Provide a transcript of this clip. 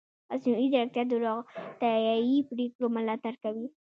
مصنوعي ځیرکتیا د روغتیايي پریکړو ملاتړ کوي.